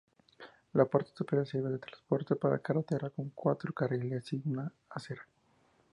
La parte superior sirve de transporte por carretera, con cuatro carriles y una acera.